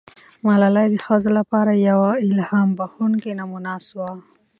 ملالۍ د ښځو لپاره یوه الهام بښونکې نمونه سوه.